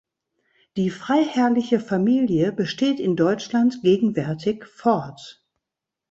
Die freiherrliche Familie besteht in Deutschland gegenwärtig fort.